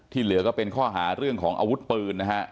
เหลือก็เป็นข้อหาเรื่องของอาวุธปืนนะฮะ